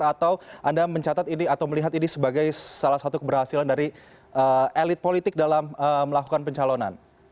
atau anda mencatat ini atau melihat ini sebagai salah satu keberhasilan dari elit politik dalam melakukan pencalonan